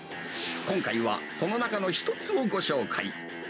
今回はその中の一つをご紹介。